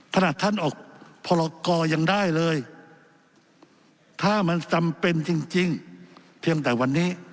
ท่านออกพรกรยังได้เลยถ้ามันจำเป็นจริงเพียงแต่วันนี้